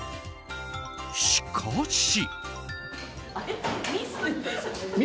しかし。